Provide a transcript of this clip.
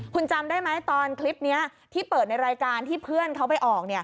คุณจำได้ไหมตอนคลิปนี้ที่เปิดในรายการที่เพื่อนเขาไปออก